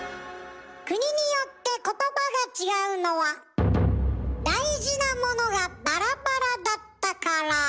国によって言葉が違うのは大事なものがバラバラだったから。